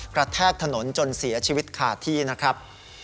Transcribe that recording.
แทกถนนจนเสียชีวิตขาดที่นะครับ